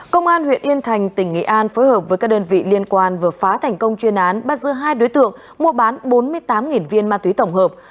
công an huyện yên thành tỉnh nghị an phối hợp với các đơn vị liên quan vừa phá thành công chuyên án bắt giữ hai đối tượng mua bán bốn mươi tám viên ma túy tổng hợp